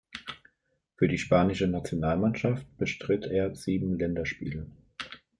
Für die spanische Nationalmannschaft bestritt er sieben Länderspiele.